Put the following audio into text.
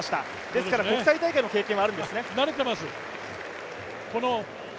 ですから国際大会の経験はあるんですね。